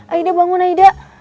aida bangun aida